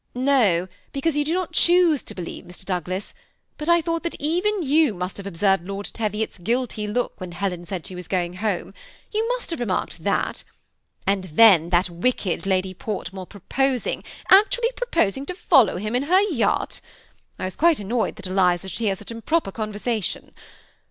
"No, because you do not choose to believe, Mr. Douglas ; but I thought that even you must have ob served Lord Teviot's guilty look when Helen said she was going home. You must have remarked that; ,_■._ ^i^ppp THE SEMI ATTACHED COUPLE. 221 and then that wicked Lady Portmore proposing, actu ally proposing to follow him in her yacht. I was quite annoyed that Eliza should hear such improper conver sation.